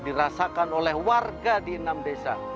dirasakan oleh warga di enam desa